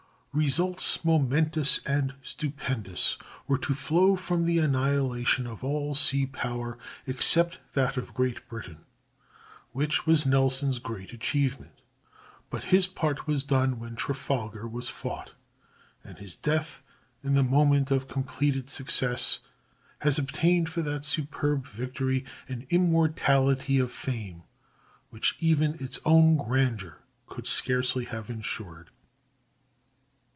Results momentous and stupendous were to flow from the annihilation of all sea power except that of Great Britain, which was Nelson's great achievement; but his part was done when Trafalgar was fought, and his death in the moment of completed success has obtained for that superb victory an immortality of fame which even its own grandeur could scarcely have insured.